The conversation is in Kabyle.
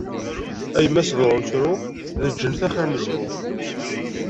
A yemma sber ur ttru, d lǧennet axir n zhu.